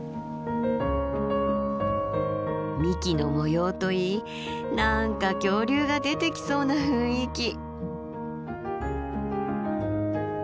幹の模様といい何か恐竜が出てきそうな雰囲気。